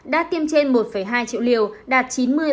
đã tiêm trên một hai triệu liều đạt chín mươi